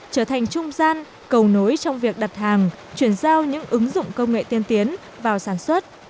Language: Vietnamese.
trở thành trung gian cầu nối trong việc đặt hàng chuyển giao những ứng dụng công nghệ tiên tiến vào sản xuất